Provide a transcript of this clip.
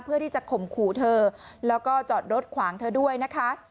เพื่อที่จะข่มขู่เธอแล้วก็จอดรถขวางเธอด้วยนะคะ